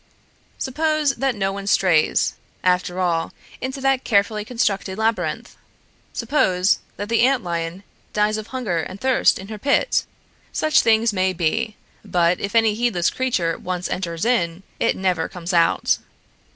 Suppose that no one strays, after all, into that carefully constructed labyrinth? Suppose that the ant lion dies of hunger and thirst in her pit? Such things may be, but if any heedless creature once enters in, it never comes out.